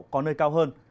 có nơi cao hơn